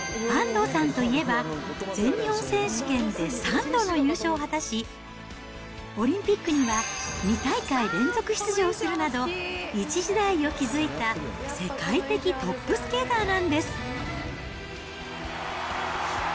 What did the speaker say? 安藤さんといえば、全日本選手権で３度の優勝を果たし、オリンピックには２大会連続出場するなど、一時代を築いた世界的トップスケーターなんです。